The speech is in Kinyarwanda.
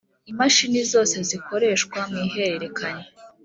Imashini zose zikoreshwa mu ihererekanya